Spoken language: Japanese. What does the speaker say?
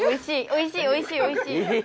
おいしいおいしいおいしい。